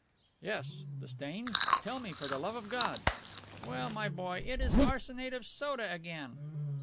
"Yes? The stains? Tell me, for the love of God!" "Well, my boy, it is arsenate of soda again."